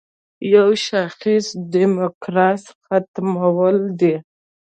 یوه شاخصه یې د دیموکراسۍ ختمول دي.